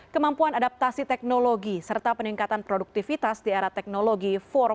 kemampuan adaptasi teknologi serta peningkatan produktivitas di era teknologi empat